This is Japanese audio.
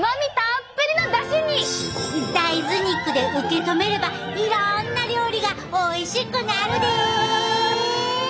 大豆肉で受け止めればいろんな料理がおいしくなるで！